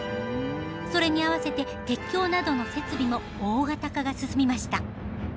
それにあわせて鉄橋などの設備も大型化が進みました。